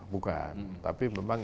bukan tapi memang